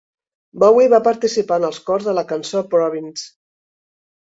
Bowie va participar en els cors de la cançó Province.